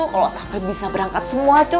kalau sampai bisa berangkat semua coba